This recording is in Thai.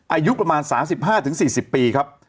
อายุประมาณ๓๕๔๐ปีครับ